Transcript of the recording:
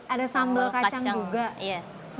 ada sambal kacang juga